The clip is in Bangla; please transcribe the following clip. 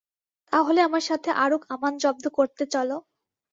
তাহলে আমার সাথে আরো কামান জব্দ করতে চলো!